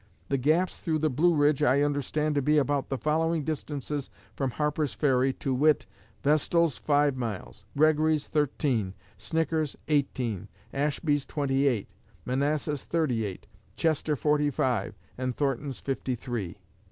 The gaps through the Blue Ridge I understand to be about the following distances from Harper's Ferry, to wit: Vestal's, five miles; Gregory's, thirteen; Snicker's, eighteen; Ashby's, twenty eight; Manassas, thirty eight; Chester, forty five; and Thornton's, fifty three.